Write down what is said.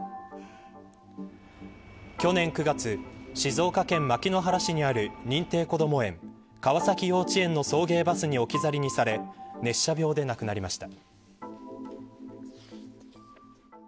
去年９月静岡県牧之原市にある認定こども園川崎幼稚園の送迎バスに置き去りにされ熱射病で亡くなりました。